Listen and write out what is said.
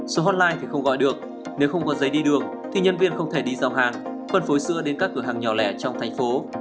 số hotline thì không gọi được nếu không có giấy đi đường thì nhân viên không thể đi giao hàng phân phối sữa đến các cửa hàng nhỏ lẻ trong thành phố